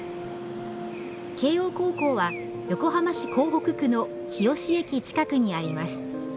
慶応高校は横浜市港北区の日吉駅近くにあります。